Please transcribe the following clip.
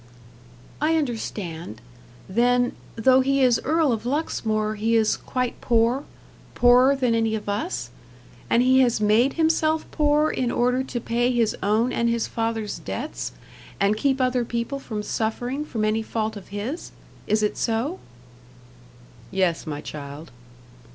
"I understand. Then, though he is Earl of Luxmore, he is quite poor poorer than any of us? And he has made himself poor in order to pay his own and his father's debts, and keep other people from suffering from any fault of his? Is it so?" "Yes, my child."